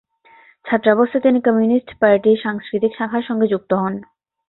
ছাত্রাবস্থায় তিনি কমিউনিস্ট পার্টির সাংস্কৃতিক শাখার সঙ্গে যুক্ত হন।